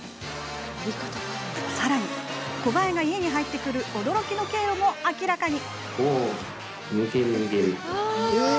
さらにコバエが家に入ってくる驚きの経路も明らかに。